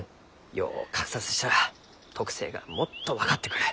よう観察したら特性がもっと分かってくる。